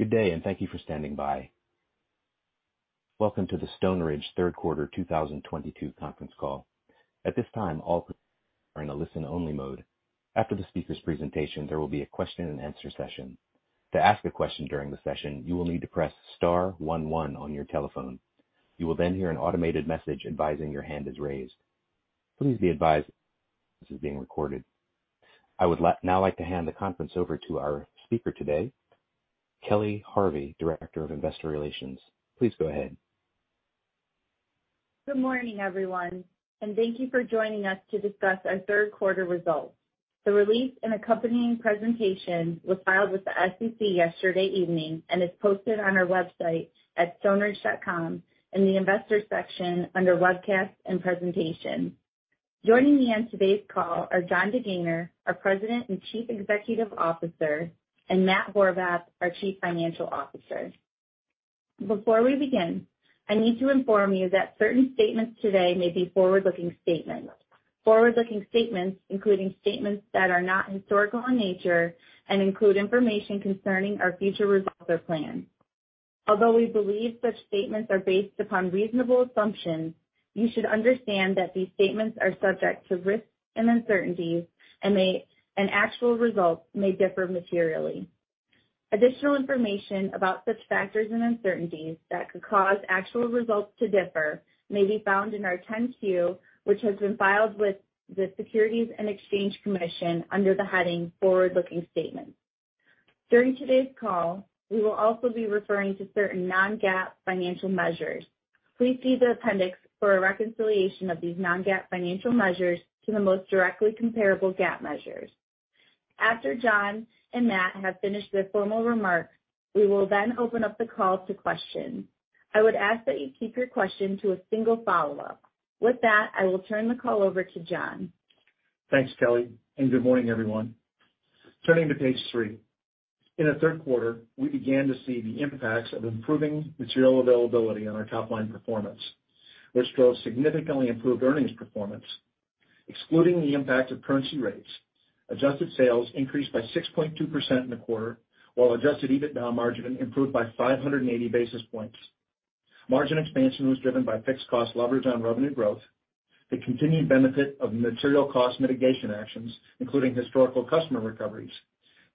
Good day, and thank you for standing by. Welcome to the Stoneridge third quarter 2022 conference call. At this time, all are in a listen-only mode. After the speaker's presentation, there will be a question-and-answer session. To ask a question during the session, you will need to press star one one on your telephone. You will then hear an automated message advising your hand is raised. Please be advised this is being recorded. I would like to hand the conference over to our speaker today, Kelly Harvey, Director of Investor Relations. Please go ahead. Good morning, everyone, and thank you for joining us to discuss our third quarter results. The release and accompanying presentation was filed with the SEC yesterday evening and is posted on our website at Stoneridge.com in the Investors section under Webcasts and Presentation. Joining me on today's call are Jonathan DeGaynor, our President and Chief Executive Officer, and Matt Horvath, our Chief Financial Officer. Before we begin, I need to inform you that certain statements today may be forward-looking statements. Forward-looking statements, including statements that are not historical in nature and include information concerning our future results or plans. Although we believe such statements are based upon reasonable assumptions, you should understand that these statements are subject to risks and uncertainties, and actual results may differ materially. Additional information about such factors and uncertainties that could cause actual results to differ may be found in our Form 10-Q, which has been filed with the Securities and Exchange Commission under the heading Forward-Looking Statements. During today's call, we will also be referring to certain non-GAAP financial measures. Please see the appendix for a reconciliation of these non-GAAP financial measures to the most directly comparable GAAP measures. After Jon and Matt have finished their formal remarks, we will then open up the call to questions. I would ask that you keep your question to a single follow-up. With that, I will turn the call over to Jon. Thanks, Kelly, and good morning, everyone. Turning to page three. In the third quarter, we began to see the impacts of improving material availability on our top-line performance, which drove significantly improved earnings performance. Excluding the impact of currency rates, adjusted sales increased by 6.2% in the quarter, while adjusted EBITDA margin improved by 580 basis points. Margin expansion was driven by fixed cost leverage on revenue growth, the continued benefit of material cost mitigation actions, including historical customer recoveries,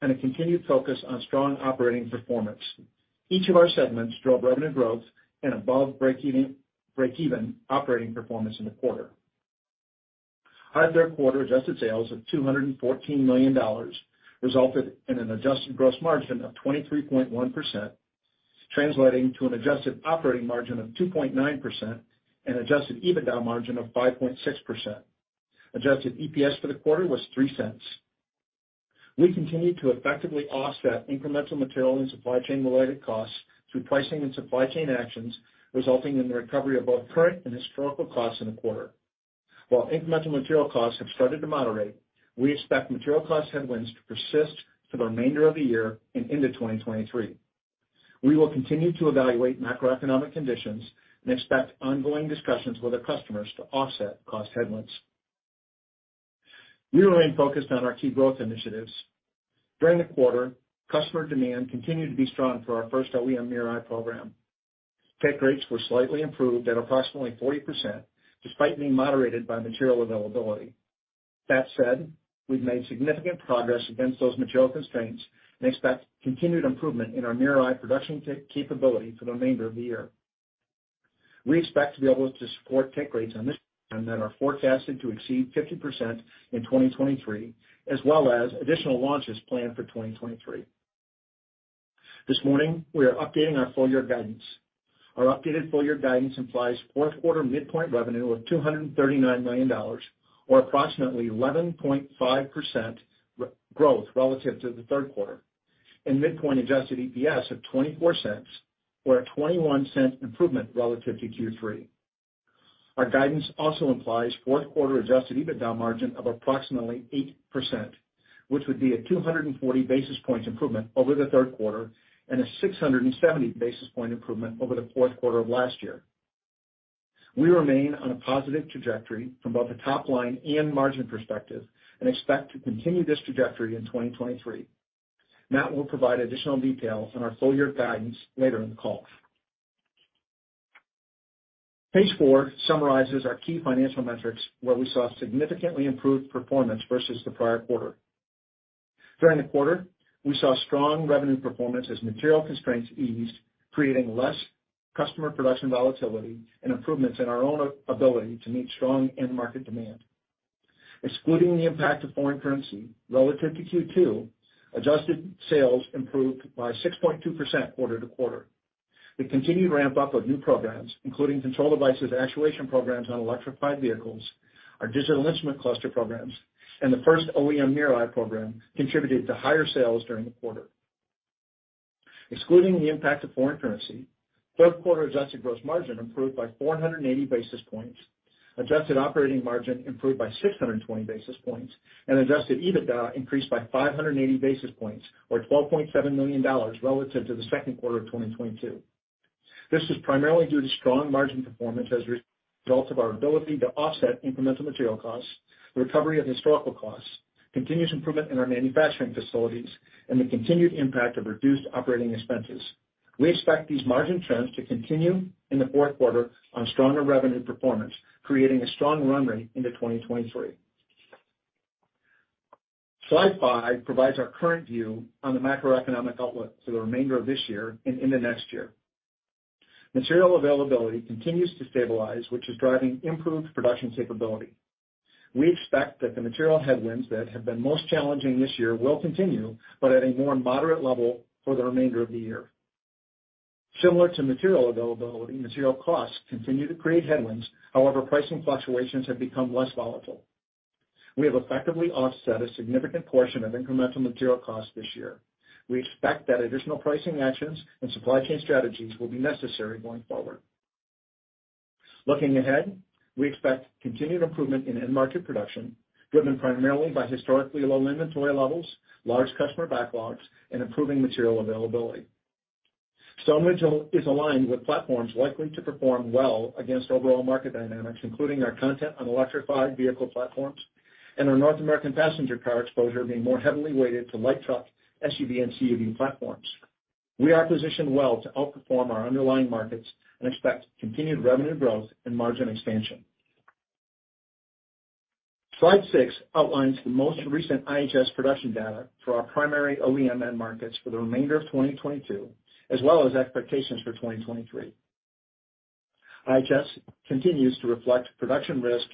and a continued focus on strong operating performance. Each of our segments drove revenue growth and above breakeven operating performance in the quarter. Third quarter adjusted sales of $214 million resulted in an adjusted gross margin of 23.1%, translating to an adjusted operating margin of 2.9% and adjusted EBITDA margin of 5.6%. Adjusted EPS for the quarter was $0.03. We continued to effectively offset incremental material and supply chain-related costs through pricing and supply chain actions, resulting in the recovery of both current and historical costs in the quarter. While incremental material costs have started to moderate, we expect material cost headwinds to persist for the remainder of the year and into 2023. We will continue to evaluate macroeconomic conditions and expect ongoing discussions with our customers to offset cost headwinds. We remain focused on our key growth initiatives. During the quarter, customer demand continued to be strong for our first OEM MirrorEye program. Take rates were slightly improved at approximately 40%, despite being moderated by material availability. That said, we've made significant progress against those material constraints and expect continued improvement in our MirrorEye production capability for the remainder of the year. We expect to be able to support take rates on this and then are forecasted to exceed 50% in 2023, as well as additional launches planned for 2023. This morning, we are updating our full year guidance. Our updated full year guidance implies fourth quarter midpoint revenue of $239 million or approximately 11.5% growth relative to the third quarter, and midpoint adjusted EPS of $0.24 or a $0.21 improvement relative to Q3. Our guidance also implies fourth quarter adjusted EBITDA margin of approximately 8%, which would be a 240 basis points improvement over the third quarter and a 670 basis points improvement over the fourth quarter of last year. We remain on a positive trajectory from both a top-line and margin perspective and expect to continue this trajectory in 2023. Matt will provide additional details on our full year guidance later in the call. Page four summarizes our key financial metrics, where we saw significantly improved performance versus the prior quarter. During the quarter, we saw strong revenue performance as material constraints eased, creating less customer production volatility and improvements in our own ability to meet strong end market demand. Excluding the impact of foreign currency relative to Q2, adjusted sales improved by 6.2% quarter to quarter. The continued ramp up of new programs, including Control Devices, actuation programs on electrified vehicles, our digital instrument cluster programs, and the first OEM MirrorEye program, contributed to higher sales during the quarter. Excluding the impact of foreign currency, fourth quarter adjusted gross margin improved by 480 basis points. Adjusted operating margin improved by 620 basis points, and adjusted EBITDA increased by 580 basis points or $12.7 million relative to the second quarter of 2022. This was primarily due to strong margin performance as a result of our ability to offset incremental material costs, recovery of historical costs, continuous improvement in our manufacturing facilities, and the continued impact of reduced operating expenses. We expect these margin trends to continue in the fourth quarter on stronger revenue performance, creating a strong run rate into 2023. Slide five provides our current view on the macroeconomic outlook for the remainder of this year and into next year. Material availability continues to stabilize, which is driving improved production capability. We expect that the material headwinds that have been most challenging this year will continue, but at a more moderate level for the remainder of the year. Similar to material availability, material costs continue to create headwinds. However, pricing fluctuations have become less volatile. We have effectively offset a significant portion of incremental material costs this year. We expect that additional pricing actions and supply chain strategies will be necessary going forward. Looking ahead, we expect continued improvement in end market production, driven primarily by historically low inventory levels, large customer backlogs, and improving material availability. Stoneridge is aligned with platforms likely to perform well against overall market dynamics, including our content on electrified vehicle platforms and our North American passenger car exposure being more heavily weighted to light truck, SUV, and CUV platforms. We are positioned well to outperform our underlying markets and expect continued revenue growth and margin expansion. Slide six outlines the most recent IHS production data for our primary OEM end markets for the remainder of 2022, as well as expectations for 2023. IHS continues to reflect production risk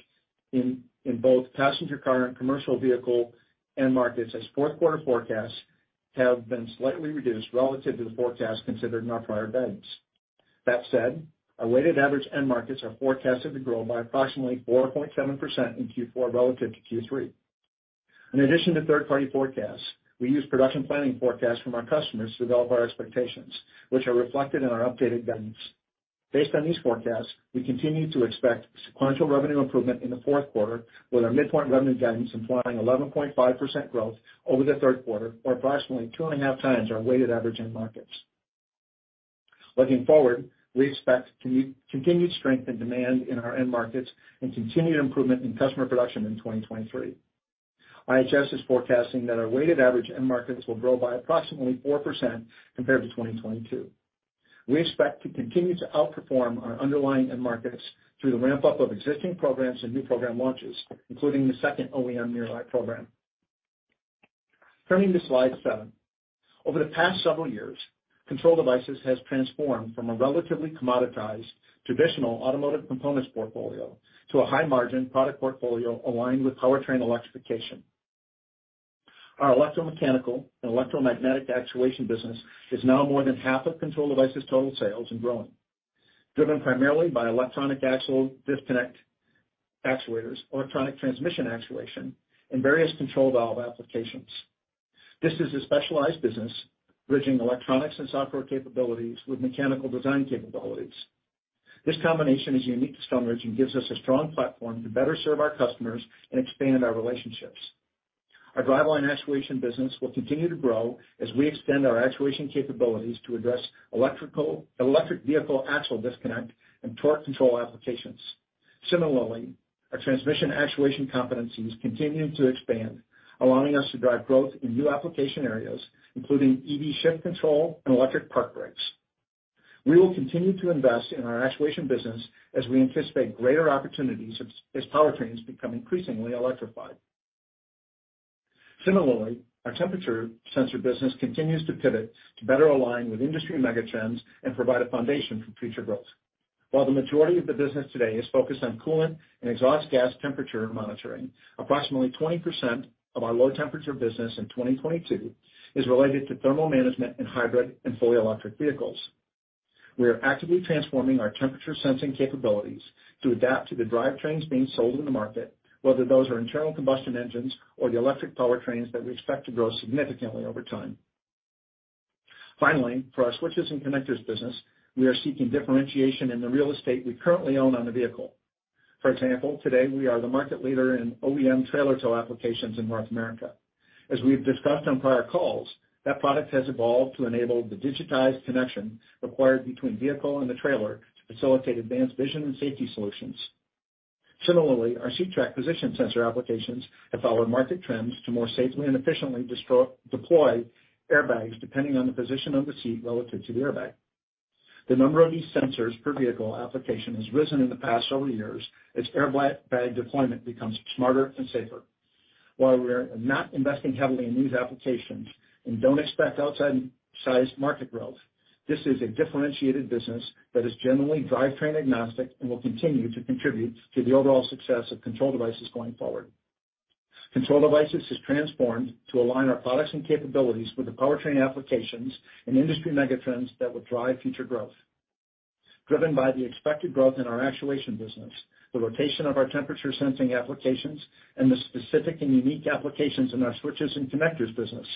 in both passenger car and commercial vehicle end markets as fourth quarter forecasts have been slightly reduced relative to the forecast considered in our prior guidance. That said, our weighted average end markets are forecasted to grow by approximately 4.7% in Q4 relative to Q3. In addition to third-party forecasts, we use production planning forecasts from our customers to develop our expectations, which are reflected in our updated guidance. Based on these forecasts, we continue to expect sequential revenue improvement in the fourth quarter, with our midpoint revenue guidance implying 11.5% growth over the third quarter, or approximately 2.5x our weighted average end markets. Looking forward, we expect continued strength in demand in our end markets and continued improvement in customer production in 2023. IHS is forecasting that our weighted average end markets will grow by approximately 4% compared to 2022. We expect to continue to outperform our underlying end markets through the ramp-up of existing programs and new program launches, including the second OEM MirrorEye program. Turning to slide seven. Over the past several years, Control Devices has transformed from a relatively commoditized traditional automotive components portfolio to a high-margin product portfolio aligned with powertrain electrification. Our electromechanical and electromagnetic actuation business is now more than half of Control Devices' total sales and growing, driven primarily by electronic axle disconnect actuators, electronic transmission actuation, and various control valve applications. This is a specialized business bridging electronics and software capabilities with mechanical design capabilities. This combination is unique to Stoneridge and gives us a strong platform to better serve our customers and expand our relationships. Our driveline actuation business will continue to grow as we extend our actuation capabilities to address electric vehicle axle disconnect and torque control applications. Similarly, our transmission actuation competencies continue to expand, allowing us to drive growth in new application areas, including EV shift control and electric park brakes. We will continue to invest in our actuation business as we anticipate greater opportunities as powertrains become increasingly electrified. Similarly, our temperature sensor business continues to pivot to better align with industry megatrends and provide a foundation for future growth. While the majority of the business today is focused on coolant and exhaust gas temperature monitoring, approximately 20% of our low temperature business in 2022 is related to thermal management in hybrid and fully electric vehicles. We are actively transforming our temperature sensing capabilities to adapt to the drivetrains being sold in the market, whether those are internal combustion engines or the electric powertrains that we expect to grow significantly over time. Finally, for our switches and connectors business, we are seeking differentiation in the real estate we currently own on the vehicle. For example, today we are the market leader in OEM trailer tow applications in North America. As we've discussed on prior calls, that product has evolved to enable the digitized connection required between vehicle and the trailer to facilitate advanced vision and safety solutions. Similarly, our seat track position sensor applications have followed market trends to more safely and efficiently deploy airbags, depending on the position of the seat relative to the airbag. The number of these sensors per vehicle application has risen in the past several years as airbag deployment becomes smarter and safer. While we're not investing heavily in these applications and don't expect outsized market growth, this is a differentiated business that is generally drivetrain agnostic and will continue to contribute to the overall success of Control Devices going forward. Control Devices has transformed to align our products and capabilities with the powertrain applications and industry megatrends that will drive future growth. Driven by the expected growth in our actuation business, the rotation of our temperature sensing applications, and the specific and unique applications in our switches and connectors business,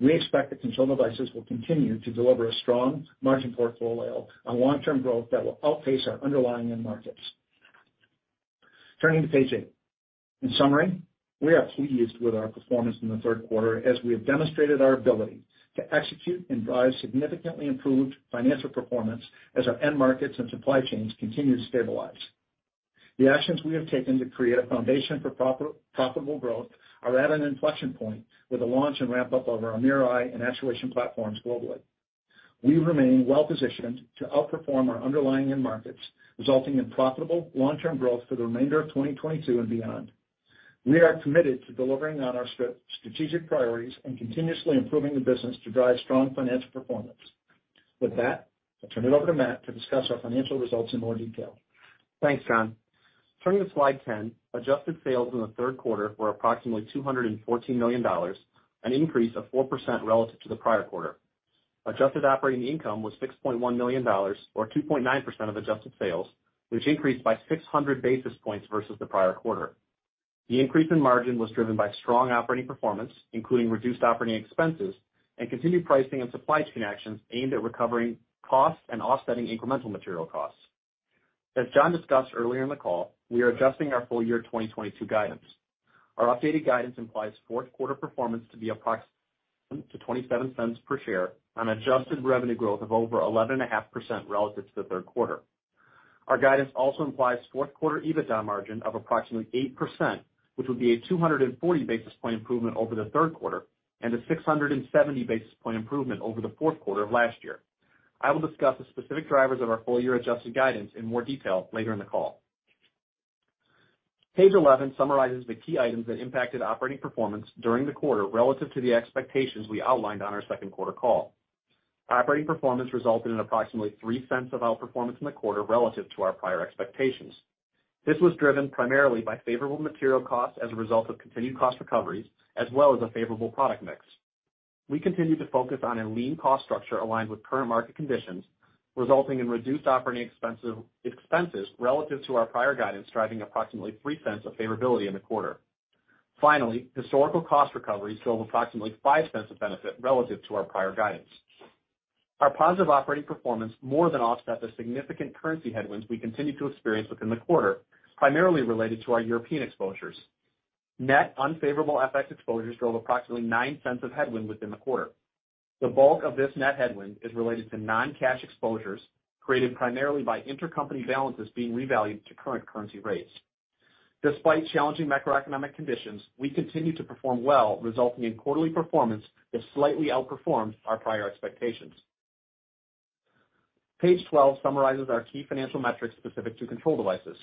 we expect that Control Devices will continue to deliver a strong margin portfolio and long-term growth that will outpace our underlying end markets. Turning to page eight. In summary, we are pleased with our performance in the third quarter as we have demonstrated our ability to execute and drive significantly improved financial performance as our end markets and supply chains continue to stabilize. The actions we have taken to create a foundation for profitable growth are at an inflection point with the launch and ramp-up of our MirrorEye and actuation platforms globally. We remain well-positioned to outperform our underlying end markets, resulting in profitable long-term growth for the remainder of 2022 and beyond. We are committed to delivering on our strategic priorities and continuously improving the business to drive strong financial performance. With that, I'll turn it over to Matt to discuss our financial results in more detail. Thanks, Jon. Turning to slide 10, adjusted sales in the third quarter were approximately $214 million, an increase of 4% relative to the prior quarter. Adjusted operating income was $6.1 million or 2.9% of adjusted sales, which increased by 600 basis points versus the prior quarter. The increase in margin was driven by strong operating performance, including reduced operating expenses and continued pricing and supply chain actions aimed at recovering costs and offsetting incremental material costs. As Jon discussed earlier in the call, we are adjusting our full-year 2022 guidance. Our updated guidance implies fourth quarter performance to be approximately $0.27 per share on adjusted revenue growth of over 11.5% relative to the third quarter. Our guidance also implies fourth quarter EBITDA margin of approximately 8%, which would be a 240 basis point improvement over the third quarter and a 670 basis point improvement over the fourth quarter of last year. I will discuss the specific drivers of our full year adjusted guidance in more detail later in the call. Page 11 summarizes the key items that impacted operating performance during the quarter relative to the expectations we outlined on our second quarter call. Operating performance resulted in approximately $0.03 of outperformance in the quarter relative to our prior expectations. This was driven primarily by favorable material costs as a result of continued cost recoveries, as well as a favorable product mix. We continue to focus on a lean cost structure aligned with current market conditions, resulting in reduced operating expenses relative to our prior guidance, driving approximately $0.03 of favorability in the quarter. Finally, historical cost recoveries drove approximately $0.05 of benefit relative to our prior guidance. Our positive operating performance more than offset the significant currency headwinds we continued to experience within the quarter, primarily related to our European exposures. Net unfavorable FX exposures drove approximately $0.09 of headwind within the quarter. The bulk of this net headwind is related to non-cash exposures created primarily by intercompany balances being revalued to current currency rates. Despite challenging macroeconomic conditions, we continue to perform well, resulting in quarterly performance that slightly outperformed our prior expectations. Page 12 summarizes our key financial metrics specific to Control Devices.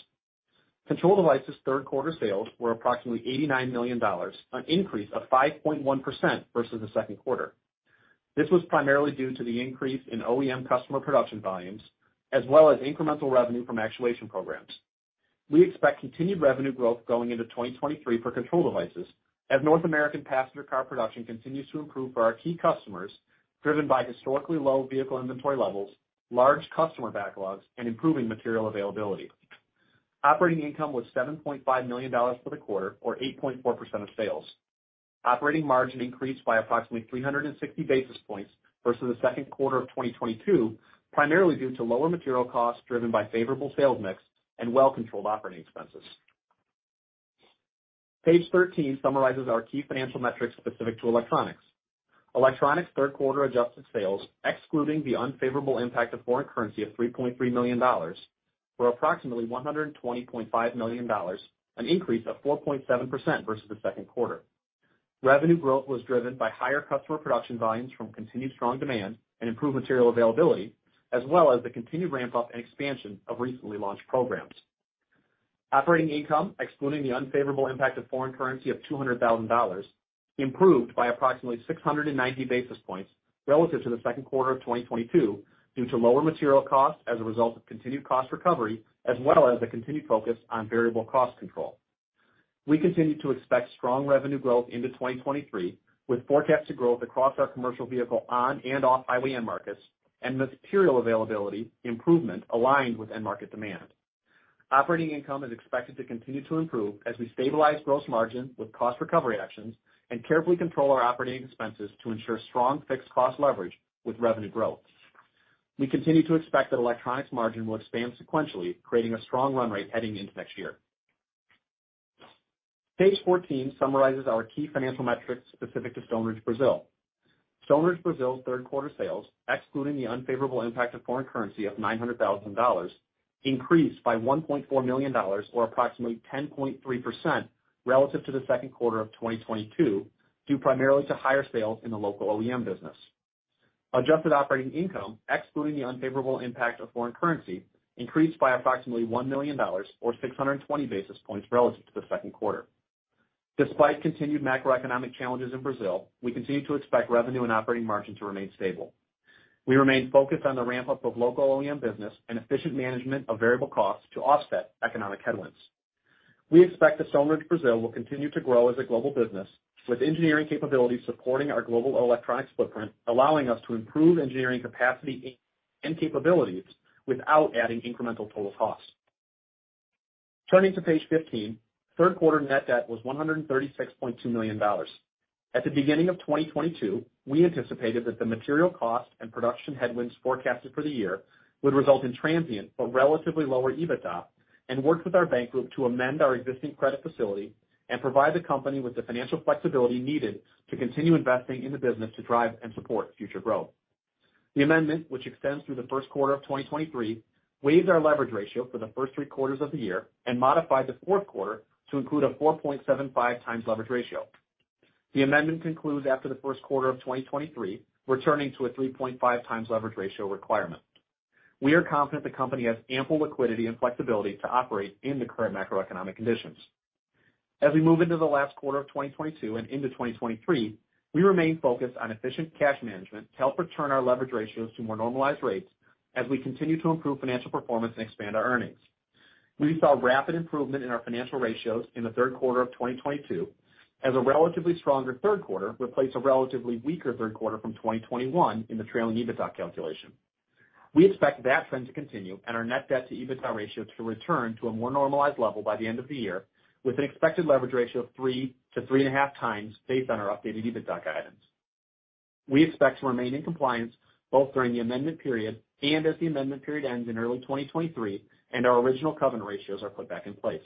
Control Devices third quarter sales were approximately $89 million, an increase of 5.1% versus the second quarter. This was primarily due to the increase in OEM customer production volumes as well as incremental revenue from actuation programs. We expect continued revenue growth going into 2023 for Control Devices as North American passenger car production continues to improve for our key customers, driven by historically low vehicle inventory levels, large customer backlogs, and improving material availability. Operating income was $7.5 million for the quarter, or 8.4% of sales. Operating margin increased by approximately 360 basis points versus the second quarter of 2022, primarily due to lower material costs driven by favorable sales mix and well-controlled operating expenses. Page 13 summarizes our key financial metrics specific to Electronics. Electronics third quarter adjusted sales, excluding the unfavorable impact of foreign currency of $3.3 million, were approximately $120.5 million, an increase of 4.7% versus the second quarter. Revenue growth was driven by higher customer production volumes from continued strong demand and improved material availability, as well as the continued ramp-up and expansion of recently launched programs. Operating income, excluding the unfavorable impact of foreign currency of $200,000, improved by approximately 690 basis points relative to the second quarter of 2022 due to lower material costs as a result of continued cost recovery, as well as a continued focus on variable cost control. We continue to expect strong revenue growth into 2023, with forecasted growth across our commercial vehicle on- and off-highway end markets and material availability improvement aligned with end market demand. Operating income is expected to continue to improve as we stabilize gross margin with cost recovery actions and carefully control our operating expenses to ensure strong fixed cost leverage with revenue growth. We continue to expect that electronics margin will expand sequentially, creating a strong run rate heading into next year. Page 14 summarizes our key financial metrics specific to Stoneridge Brazil. Stoneridge Brazil's third quarter sales, excluding the unfavorable impact of foreign currency of $900,000, increased by $1.4 million, or approximately 10.3% relative to the second quarter of 2022, due primarily to higher sales in the local OEM business. Adjusted operating income, excluding the unfavorable impact of foreign currency, increased by approximately $1 million or 620 basis points relative to the second quarter. Despite continued macroeconomic challenges in Brazil, we continue to expect revenue and operating margin to remain stable. We remain focused on the ramp-up of local OEM business and efficient management of variable costs to offset economic headwinds. We expect that Stoneridge Brazil will continue to grow as a global business with engineering capabilities supporting our global electronics footprint, allowing us to improve engineering capacity and capabilities without adding incremental total cost. Turning to page 15, third quarter net debt was $136.2 million. At the beginning of 2022, we anticipated that the material cost and production headwinds forecasted for the year would result in transient but relatively lower EBITDA, and worked with our bank group to amend our existing credit facility and provide the company with the financial flexibility needed to continue investing in the business to drive and support future growth. The amendment, which extends through the first quarter of 2023, waives our leverage ratio for the first three quarters of the year and modified the fourth quarter to include a 4.75x leverage ratio. The amendment concludes after the first quarter of 2023, returning to a 3.5x leverage ratio requirement. We are confident the company has ample liquidity and flexibility to operate in the current macroeconomic conditions. As we move into the last quarter of 2022 and into 2023, we remain focused on efficient cash management to help return our leverage ratios to more normalized rates as we continue to improve financial performance and expand our earnings. We saw rapid improvement in our financial ratios in the third quarter of 2022, as a relatively stronger third quarter replaced a relatively weaker third quarter from 2021 in the trailing EBITDA calculation. We expect that trend to continue and our net debt to EBITDA ratio to return to a more normalized level by the end of the year, with an expected leverage ratio of 3x-3.5x based on our updated EBITDA guidance. We expect to remain in compliance both during the amendment period and as the amendment period ends in early 2023 and our original covenant ratios are put back in place.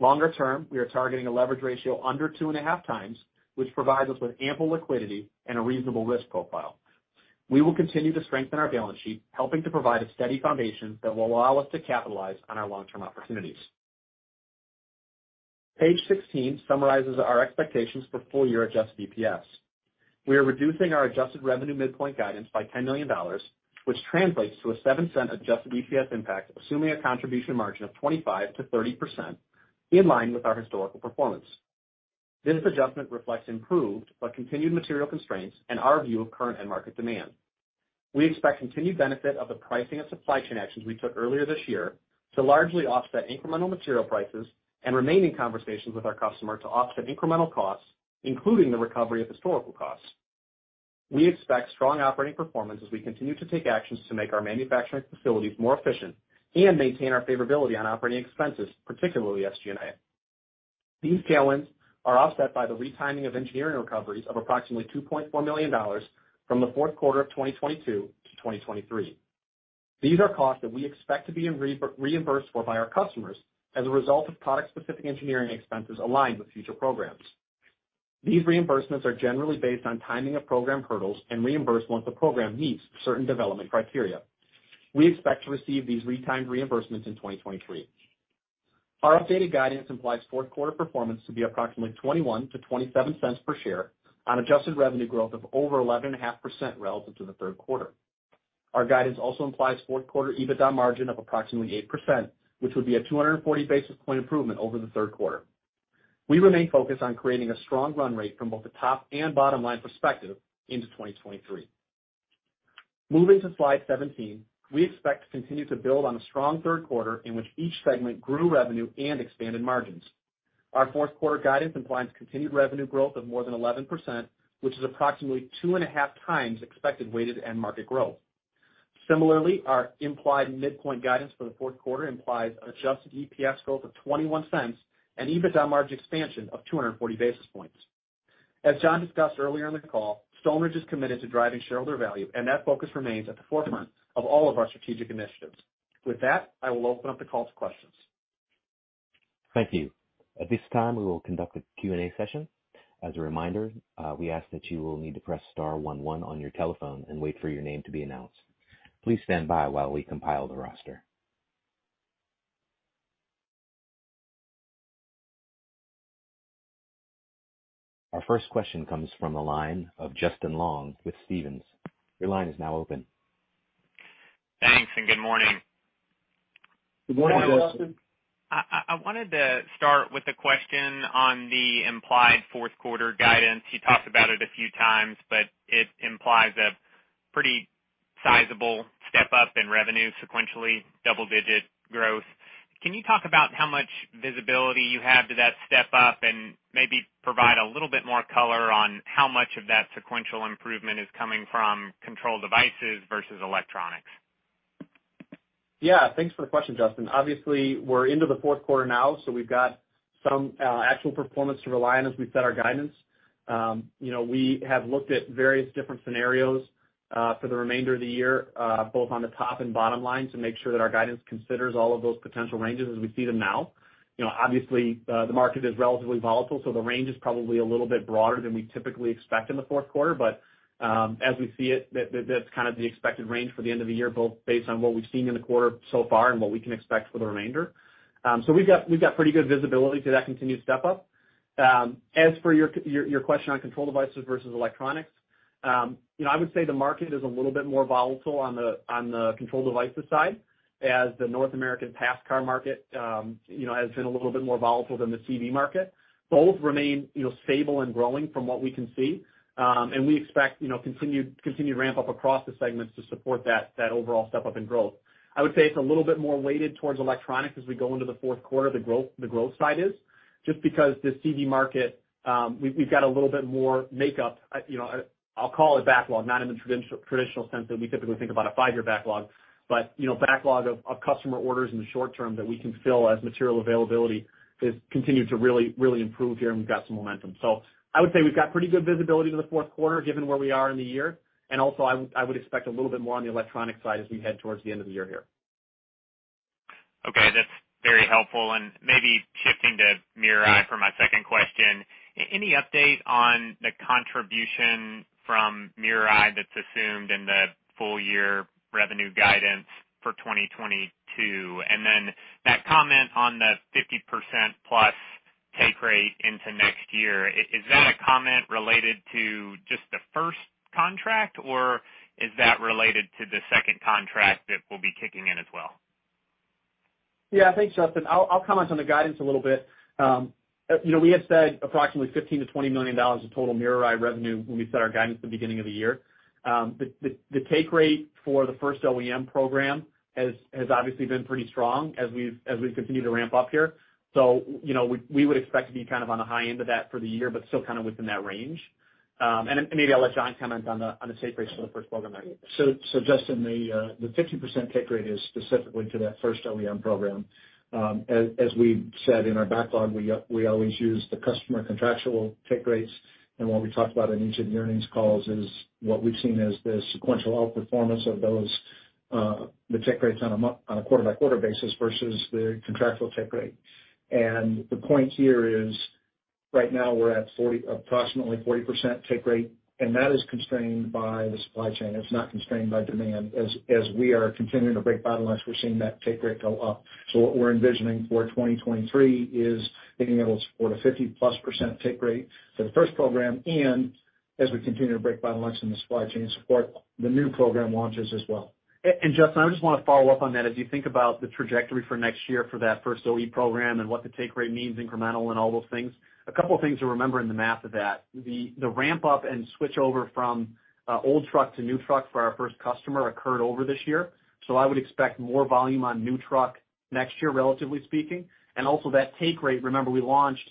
Longer term, we are targeting a leverage ratio under 2.5x, which provides us with ample liquidity and a reasonable risk profile. We will continue to strengthen our balance sheet, helping to provide a steady foundation that will allow us to capitalize on our long-term opportunities. Page 16 summarizes our expectations for full year adjusted EPS. We are reducing our adjusted revenue midpoint guidance by $10 million, which translates to a $0.07 adjusted EPS impact, assuming a contribution margin of 25%-30% in line with our historical performance. This adjustment reflects improved but continued material constraints and our view of current end market demand. We expect continued benefit of the pricing and supply chain actions we took earlier this year to largely offset incremental material prices and remain in conversations with our customer to offset incremental costs, including the recovery of historical costs. We expect strong operating performance as we continue to take actions to make our manufacturing facilities more efficient and maintain our favorability on operating expenses, particularly SG&A. These tailwinds are offset by the retiming of engineering recoveries of approximately $2.4 million from the fourth quarter of 2022 to 2023. These are costs that we expect to be reimbursed for by our customers as a result of product-specific engineering expenses aligned with future programs. These reimbursements are generally based on timing of program hurdles and reimbursed once the program meets certain development criteria. We expect to receive these retimed reimbursements in 2023. Our updated guidance implies fourth quarter performance to be approximately $0.21-$0.27 per share on adjusted revenue growth of over 11.5% relative to the third quarter. Our guidance also implies fourth quarter EBITDA margin of approximately 8%, which would be a 240 basis point improvement over the third quarter. We remain focused on creating a strong run rate from both the top and bottom line perspective into 2023. Moving to slide 17. We expect to continue to build on a strong third quarter in which each segment grew revenue and expanded margins. Our fourth quarter guidance implies continued revenue growth of more than 11%, which is approximately 2.5x expected weighted end market growth. Similarly, our implied midpoint guidance for the fourth quarter implies an adjusted EPS growth of $0.21 and EBITDA margin expansion of 240 basis points. As Jon discussed earlier in the call, Stoneridge is committed to driving shareholder value, and that focus remains at the forefront of all of our strategic initiatives. With that, I will open up the call to questions. Thank you. At this time, we will conduct a Q&A session. As a reminder, we ask that you will need to press star one one on your telephone and wait for your name to be announced. Please stand by while we compile the roster. Our first question comes from the line of Justin Long with Stephens. Your line is now open. Thanks, and good morning. Good morning, Justin. I wanted to start with a question on the implied fourth quarter guidance. You talked about it a few times, but it implies a pretty sizable step-up in revenue sequentially, double-digit growth. Can you talk about how much visibility you have to that step up and maybe provide a little bit more color on how much of that sequential improvement is coming from Control Devices versus Electronics? Yeah. Thanks for the question, Justin. Obviously, we're into the fourth quarter now, so we've got some actual performance to rely on as we set our guidance. You know, we have looked at various different scenarios for the remainder of the year, both on the top and bottom line to make sure that our guidance considers all of those potential ranges as we see them now. You know, obviously, the market is relatively volatile, so the range is probably a little bit broader than we typically expect in the fourth quarter. As we see it, that's kind of the expected range for the end of the year, both based on what we've seen in the quarter so far and what we can expect for the remainder. We've got pretty good visibility to that continued step up. As for your question on Control Devices versus Electronics, you know, I would say the market is a little bit more volatile on the Control Devices side as the North American passenger car market, you know, has been a little bit more volatile than the CV market. Both remain, you know, stable and growing from what we can see. We expect, you know, continued ramp up across the segments to support that overall step up in growth. I would say it's a little bit more weighted towards Electronics as we go into the fourth quarter, the growth side is just because the CV market, we've got a little bit more makeup, you know, I'll call it backlog, not in the traditional sense that we typically think about a five-year backlog. You know, backlog of customer orders in the short term that we can fill as material availability has continued to really improve here, and we've got some momentum. I would say we've got pretty good visibility to the fourth quarter given where we are in the year. I would expect a little bit more on the electronic side as we head towards the end of the year here. Okay. That's very helpful. Maybe shifting to MirrorEye for my second question. Any update on the contribution from MirrorEye that's assumed in the full year revenue guidance for 2022? Then that comment on the 50% plus take rate into next year, is that a comment related to just the first contract, or is that related to the second contract that will be kicking in as well? Yeah. Thanks, Justin. I'll comment on the guidance a little bit. You know, we had said approximately $15 million-$20 million of total MirrorEye revenue when we set our guidance at the beginning of the year. The take rate for the first OEM program has obviously been pretty strong as we've continued to ramp up here. You know, we would expect to be kind of on the high end of that for the year, but still kind of within that range. Maybe I'll let Jon comment on the take rates for the first program. Justin, the 50% take rate is specifically to that first OEM program. As we said in our backlog, we always use the customer contractual take rates. What we talked about in each of the earnings calls is what we've seen as the sequential outperformance of those take rates on a quarter-by-quarter basis versus the contractual take rate. The point here is, right now we're at approximately 40% take rate, and that is constrained by the supply chain. It's not constrained by demand. As we are continuing to break bottlenecks, we're seeing that take rate go up. What we're envisioning for 2023 is being able to support a 50%+ take rate for the first program, and as we continue to break bottlenecks in the supply chain support, the new program launches as well. Justin, I just wanna follow up on that. As you think about the trajectory for next year for that first OEM program and what the take rate means incremental and all those things, a couple things to remember in the math of that. The ramp up and switchover from old truck to new truck for our first customer occurred over this year. I would expect more volume on new truck next year, relatively speaking. Also that take rate, remember we launched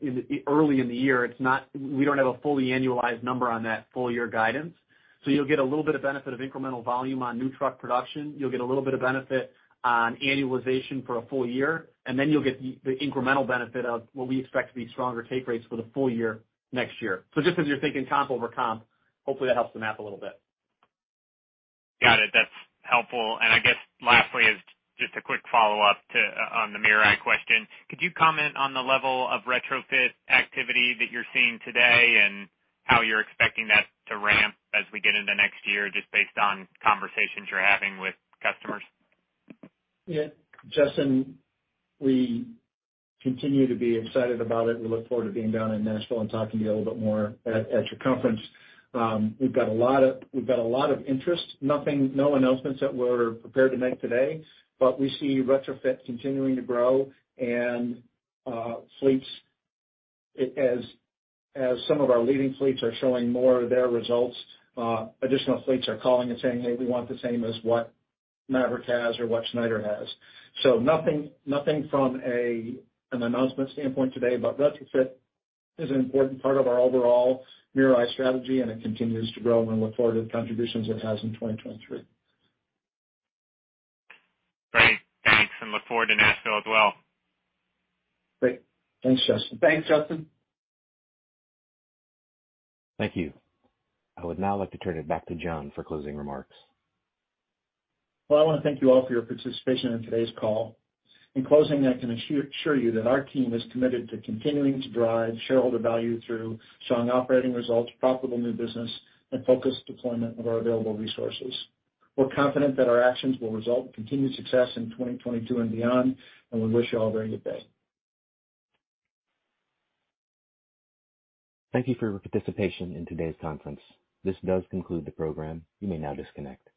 in early in the year. It's not. We don't have a fully annualized number on that full year guidance. You'll get a little bit of benefit of incremental volume on new truck production. You'll get a little bit of benefit on annualization for a full year, and then you'll get the incremental benefit of what we expect to be stronger take rates for the full year next year. Just as you're thinking comp over comp, hopefully that helps the math a little bit. Got it. That's helpful. I guess lastly is just a quick follow-up on the MirrorEye question. Could you comment on the level of retrofit activity that you're seeing today and how you're expecting that to ramp as we get into next year, just based on conversations you're having with customers? Yeah. Justin, we continue to be excited about it. We look forward to being down in Nashville and talking to you a little bit more at your conference. We've got a lot of interest. No announcements that we're prepared to make today, but we see retrofit continuing to grow and fleets, as some of our leading fleets are showing more of their results, additional fleets are calling and saying, "Hey, we want the same as what Maverick has or what Schneider has." Nothing from an announcement standpoint today, but retrofit is an important part of our overall MirrorEye strategy, and it continues to grow, and we look forward to the contributions it has in 2023. Great. Thanks, and look forward to Nashville as well. Great. Thanks, Justin. Thanks, Justin. Thank you. I would now like to turn it back to Jon for closing remarks. Well, I wanna thank you all for your participation in today's call. In closing, I can assure you that our team is committed to continuing to drive shareholder value through strong operating results, profitable new business, and focused deployment of our available resources. We're confident that our actions will result in continued success in 2022 and beyond, and we wish you all a very good day. Thank you for your participation in today's conference. This does conclude the program. You may now disconnect.